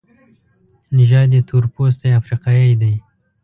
نژاد یې تورپوستی افریقایی دی.